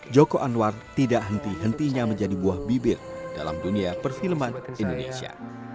joko anwar tidak henti hentinya menjadi buah bibir dalam dunia perfilman indonesia